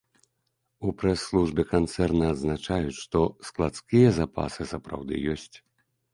У прэс-службе канцэрна адзначаюць, што складскія запасы сапраўды ёсць.